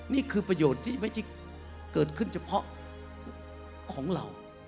นี่คือประโยชน์ที่ไม่ใช่เกิดขึ้นเฉพาะของเรา